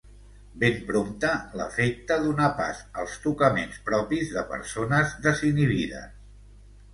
Ben prompte l’afecte donà pas als tocaments propis de persones desinhibides.